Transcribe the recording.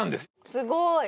すごい。